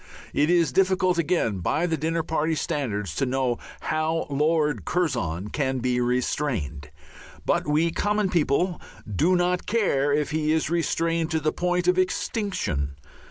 It is difficult again by the dinner party standards to know how Lord Curzon can be restrained. But we common people do not care if he is restrained to the point of extinction.